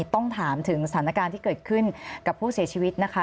ต้องถามถึงสถานการณ์ที่เกิดขึ้นกับผู้เสียชีวิตนะคะ